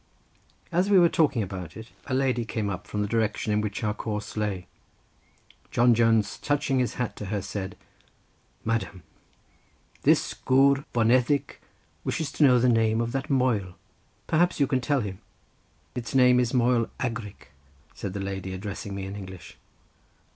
As we were standing talking about it, a lady came up from the direction in which our course lay. John Jones, touching his hat to her, said: "Madam, this gwr boneddig wishes to know the name of that moel; perhaps you can tell him." "Its name is Moel Agrik," said the lady, addressing me in English.